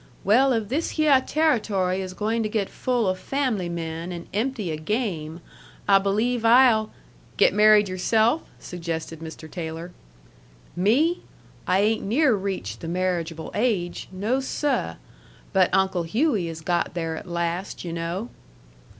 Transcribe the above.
Well, if this hyeh Territory is goin' to get full o' fam'ly men and empty o' game, I believe I'll " "Get married yourself," suggested Mr. Taylor. "Me! I ain't near reached the marriageable age. No, seh! But Uncle Hughey has got there at last, yu' know."